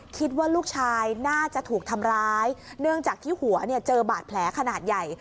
คิดว่าลูกชายน่าจะถูกทำร้ายเนื่องจากที่หัวเนี่ยเจอบาดแผลขนาดใหญ่